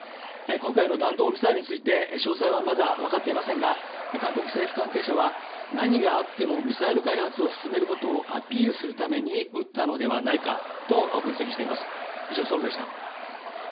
今回の弾道ミサイルについて詳細はまだ分かっていませんが韓国政府関係者は、何があってもミサイル開発を進めることをアピールするために撃ったのではないかと分析しています。